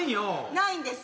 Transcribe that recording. ないんです。